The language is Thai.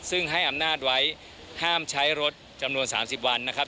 ซึ่งให้อำนาจไว้ห้ามใช้รถจำนวน๓๐วันนะครับ